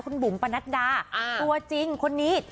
คุณบุ๋มปะนัดดาตัวจริงคนนี้